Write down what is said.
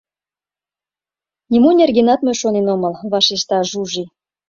— Нимо нергенат мый шонен омыл, — вашешта Жужи.